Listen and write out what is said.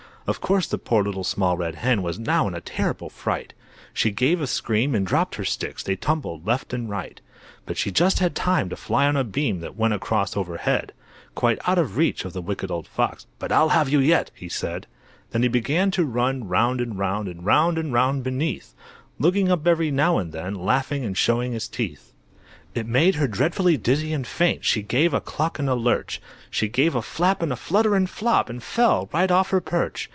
Of course the poor Little Small Red Hen Was now in a terrible fright. She gave a scream and dropped her sticks, They tumbled left and right. But she just had time to fly on a beam That went across over head, Quite out of reach of the Wicked Old Fox. "But I'll have you yet," he said. Then he began to run round and round, And round and round beneath, Looking up every now and then, Laughing and showing his teeth. It made her dreadfully dizzy and faint, She gave a cluck and a lurch, She gave a flap and a flutter and flop, And fell right off her perch.